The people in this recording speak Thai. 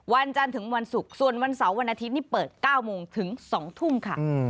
วันจันทร์ถึงวันศุกร์ส่วนวันเสาร์วันอาทิตย์นี่เปิด๙โมงถึง๒ทุ่มค่ะ